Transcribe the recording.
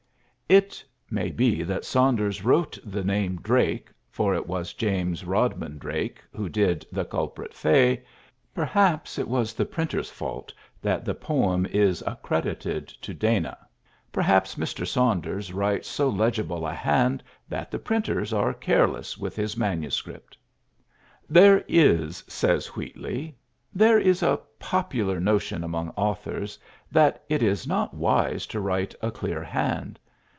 It may be that Saunders wrote the name Drake, for it was James Rodman Drake who did "The Culprit Fay." Perhaps it was the printer's fault that the poem is accredited to Dana. Perhaps Mr. Saunders writes so legible a hand that the printers are careless with his manuscript. "There is," says Wheatley, "there is a popular notion among authors that it is not wise to write a clear hand.